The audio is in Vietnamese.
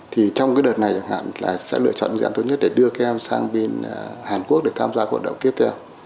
thì trong đợt này hàn sẽ lựa chọn những sử án tốt nhất để đưa các em sang bên hàn quốc để tham gia hoạt động tiếp theo